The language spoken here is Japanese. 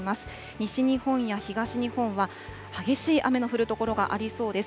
西日本や東日本は、激しい雨の降る所がありそうです。